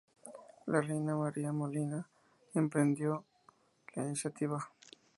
La reina María de Molina emprendió la iniciativa.